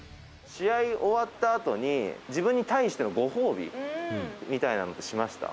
「試合終わったあとに自分に対してのご褒美みたいなのってしました？」